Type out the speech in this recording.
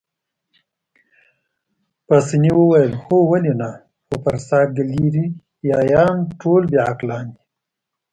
پاسیني وویل: هو ولې نه، خو برساګلیریايان ټول بې عقلان دي.